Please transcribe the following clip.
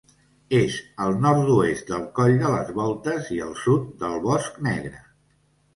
És al nord-oest del Coll de les Voltes i al sud del Bosc Negre.